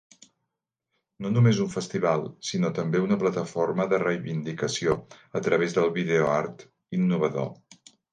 No només un festival, sinó també una plataforma de reivindicació a través del videoart innovador.